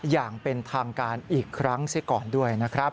อย่างเป็นทางการอีกครั้งซะก่อนด้วยนะครับ